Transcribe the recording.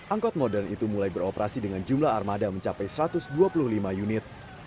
angkot modern itu mulai beroperasi dengan jumlah armada mencapai satu ratus dua puluh lima unit